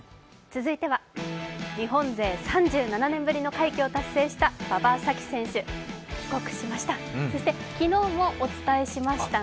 続いては日本勢３７年ぶりの快挙を達成した馬場咲希選手、帰国しました。